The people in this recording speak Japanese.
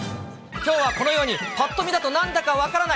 きょうはこのように、ぱっと見だと何だか分からない